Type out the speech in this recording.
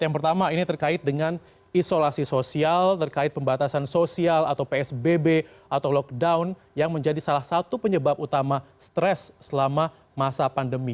yang pertama ini terkait dengan isolasi sosial terkait pembatasan sosial atau psbb atau lockdown yang menjadi salah satu penyebab utama stres selama masa pandemi